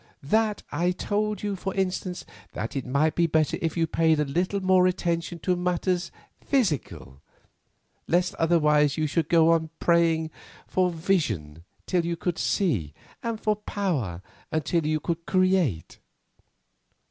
"That I told you, for instance, that it might be better if you paid a little more attention to matters physical, lest otherwise you should go on praying for vision till you could see, and for power until you could create?"